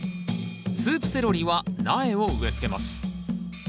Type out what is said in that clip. スープセロリは苗を植えつけます。